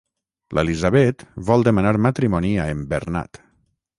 L'Elisabet vol demanar matrimoni a en Bernat.